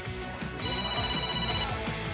kondisi yang terakhir di jepang jepang